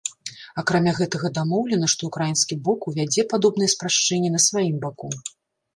Акрамя гэтага дамоўлена, што ўкраінскі бок увядзе падобныя спрашчэнні на сваім баку.